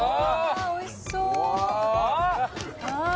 おいしそうああ